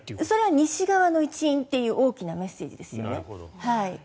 それは西側の一員という大きなメッセージですよね。